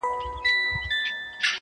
او « د سیند پرغاړه» -